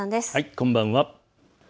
こんばんは。